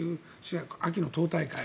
秋の党大会。